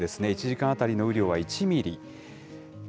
１時間当たりの雨量は１ミリ。